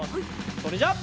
それじゃあ。